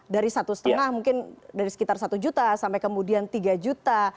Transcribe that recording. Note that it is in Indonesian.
dari satu setengah mungkin dari sekitar satu juta sampai kemudian tiga juta